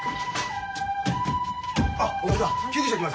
・・あっおかみさん救急車来ました。